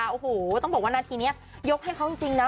โอ้โหต้องบอกว่านาทีนี้ยกให้เขาจริงนะ